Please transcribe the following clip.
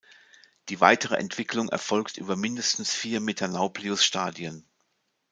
Die weitere Entwicklung erfolgt über mindestens vier Metanauplius-Stadien.